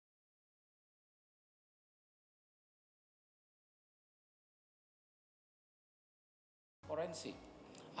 maka itu berarti tidak bisa dikonsumsi